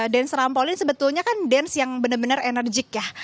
dance rampolin sebetulnya kan dance yang bener bener enerjik ya